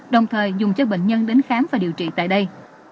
đồng thời dùng cho bệnh nhân đến khám và điều trị tại đây